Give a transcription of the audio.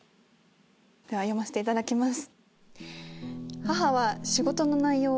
では読ませていただきます。